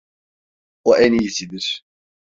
O en iyisidir.